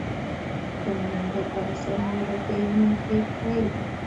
ځنګلونه د افغانستان د جغرافیایي موقیعت پایله ده.